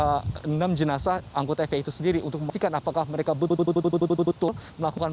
ada enam jenazah anggota fpi itu sendiri untuk memastikan apakah mereka betul betul betul melakukan